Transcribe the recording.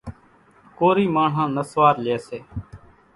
ڪورِي ماڻۿان نسوار ليئيَ سي۔